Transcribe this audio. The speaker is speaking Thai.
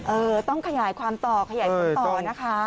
เออต้องขยายความต่อขยายผลต่อนะคะ